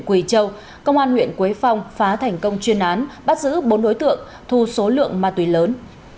quỳ châu công an huyện quế phong phá thành công chuyên án bắt giữ bốn đối tượng thu số lượng ma túy lớn